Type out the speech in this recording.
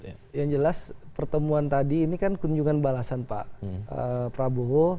yang jelas pertemuan tadi ini kan kunjungan balasan pak prabowo